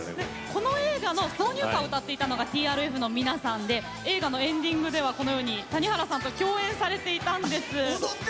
この映画の挿入歌を歌っていたのがＴＲＦの皆さんで映画のエンディングでは谷原さんと共演されていたんです。